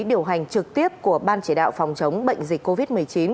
điều hành trực tiếp của ban chỉ đạo phòng chống bệnh dịch covid một mươi chín